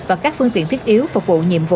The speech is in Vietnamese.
và các phương tiện khó khăn